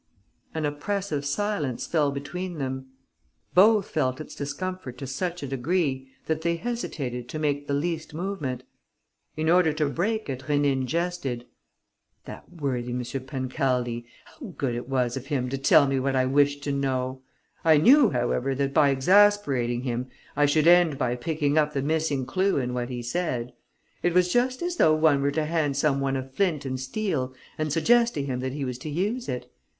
An oppressive silence fell between them. Both felt its discomfort to such a degree that they hesitated to make the least movement. In order to break it, Rénine jested: "That worthy M. Pancaldi, how good it was of him to tell me what I wished to know! I knew, however, that by exasperating him, I should end by picking up the missing clue in what he said. It was just as though one were to hand some one a flint and steel and suggest to him that he was to use it.